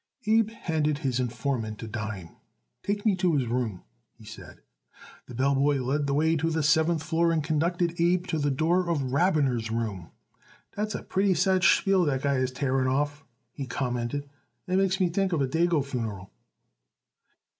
Abe handed his informant a dime. "Take me to his room," he said. The bell boy led the way to the seventh floor and conducted Abe to the door of Rabiner's room. "Dat's a pretty said spiel dat guy is tearin' off," he commented. "It makes me tink of a dago funeral."